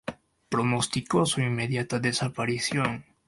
pronosticó su inmediata desaparición